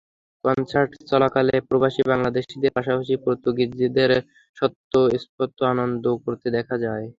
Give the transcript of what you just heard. Concert চলাকালে প্রবাসী বাংলাদেশিদের পাশাপাশি পর্তুগিজদেরও স্বতঃস্ফূর্ত আনন্দ করতে দেখা যায়।